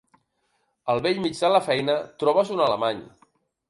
Al bell mig de la feina trobes un alemany.